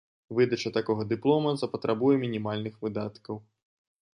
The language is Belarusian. Выдача такога дыплома запатрабуе мінімальных выдаткаў.